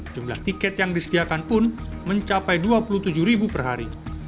jumlah tiket yang disediakan pun mencapai dua puluh tujuh ribu per hari